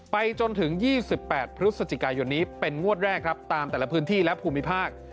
ไปจนถึง๒๘พฤศจิกายนนี้เป็นงวดแรกครับตามแต่ละพื้นที่และภูมิภาค